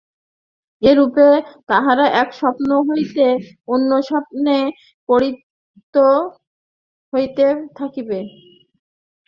এইরূপে তাহারা এক স্বপ্ন হইতে অন্য স্বপ্নে তাড়িত হইতে থাকিবে।